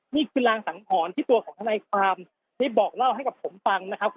นี่คือยินฟอร์ที่ตัวของทานายความที่บอกเล่าให้กับผมฟัง